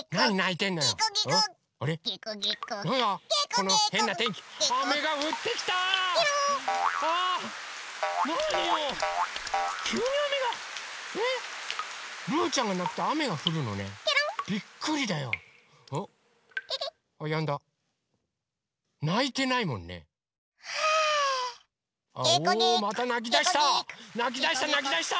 なきだしたなきだした！